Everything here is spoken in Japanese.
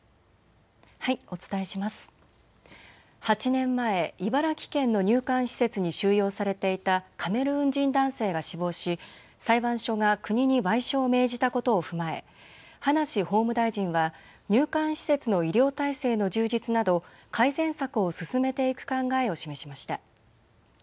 ８年前、茨城県の入管施設に収容されていたカメルーン人男性が死亡し裁判所が国に賠償を命じたことを踏まえ葉梨法務大臣は入管施設の医療体制の充実など改善策を進めていく考えを示しました。